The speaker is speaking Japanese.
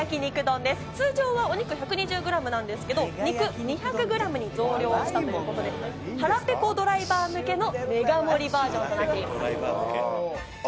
通常はお肉１２０ｇなんですけど肉２００ｇに増量したということで腹ペコドライバー向けのメガ盛りバージョンとなってます。